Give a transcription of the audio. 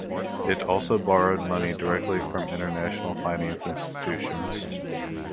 It also borrowed money directly from international finance institutions.